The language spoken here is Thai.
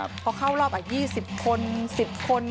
พอเข้ารอบอักสึงสิบคน